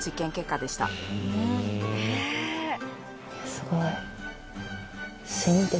すごい！